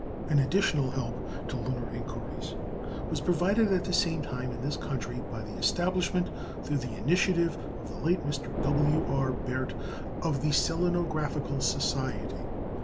An additional help to lunar inquiries was provided at the same time in this country by the establishment, through the initiative of the late Mr. W. R. Birt, of the Selenographical Society.